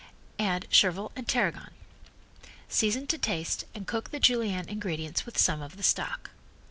Add chervil and tarragon. Season to taste and cook the Julienne ingredients with some of the stock.